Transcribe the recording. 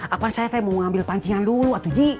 apaan saya mau ambil pancingan dulu atuji